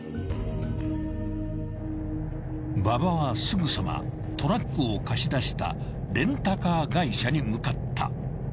［馬場はすぐさまトラックを貸し出したレンタカー会社に向かった］